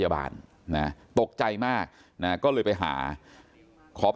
แล้วหลังจากนั้นเราขับหนีเอามามันก็ไล่ตามมาอยู่ตรงนั้น